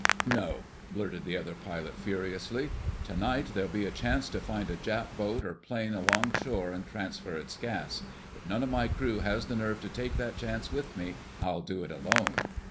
"No!" blurted the other pilot furiously. "Tonight there'll be a chance to find a Jap boat or plane along shore and transfer its gas. If none of my crew has the nerve to take that chance with me, I'll do it alone."